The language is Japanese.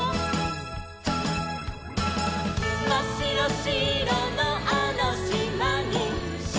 「まっしろしろのあのしまに」